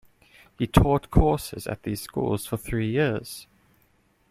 He taught courses at these schools for three years.